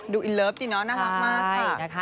ดูอินเลิฟดิเนอะน่ามากค่ะ